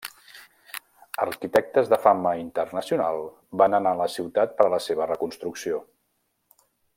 Arquitectes de fama internacional van anar a la ciutat per a la seva reconstrucció.